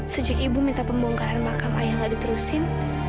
sejak ibu minta pembongkaran makam ayah gak diterusin